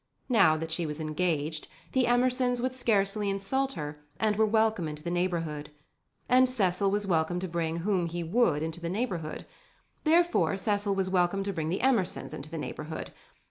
Now that she was engaged, the Emersons would scarcely insult her and were welcome into the neighbourhood. And Cecil was welcome to bring whom he would into the neighbourhood. Therefore Cecil was welcome to bring the Emersons into the neighbourhood.